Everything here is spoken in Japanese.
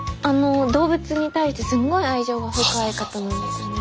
動物に対してすんごい愛情が深い方なんですよね。